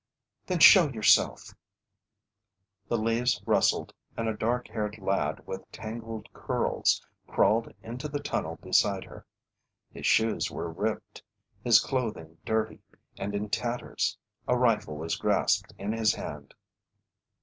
"Then show yourself!" The leaves rustled, and a dark haired lad with tangled curls crawled into the tunnel beside her. His shoes were ripped, his clothing dirty and in tatters. A rifle was grasped in his hand.